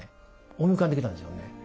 思い浮かんできたんですよね。